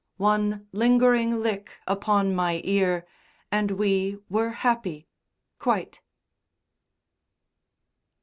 One lingering lick upon my ear And we were happy quite.